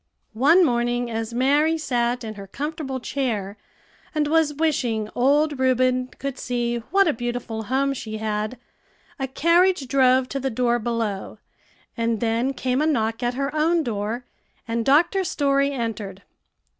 One morning, as Mary sat in her comfortable chair, and was wishing old Reuben could see what a beautiful home she had, a carriage drove to the door below, and then came a knock at her own door, and Dr. Story entered.